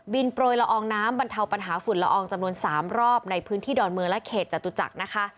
โปรยละอองน้ำบรรเทาปัญหาฝุ่นละอองจำนวน๓รอบในพื้นที่ดอนเมืองและเขตจตุจักรนะคะ